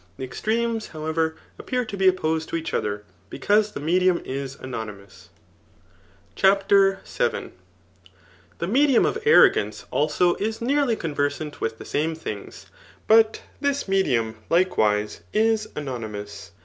The extremes, however, appear to be exposed to each other, because the medium is anonymous. CHAPTER VII. Thb medium of arrogance, also, is nearly conversant with the same things ; but this medium, likewise, is ano nymous.